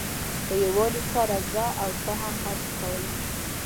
په یووالي سره زه او ته هر څه کولای شو.